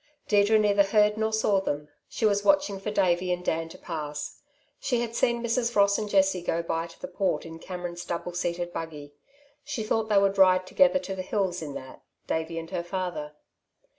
Deirdre neither heard nor saw them. She was watching for Davey and Dan to pass. She had seen Mrs. Ross and Jessie go by to the Port in Cameron's double seated buggy. She thought they would ride together to the hills in that, Davey and her father.